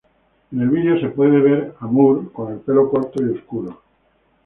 En el video se puede a Moore con el pelo corto y oscuro.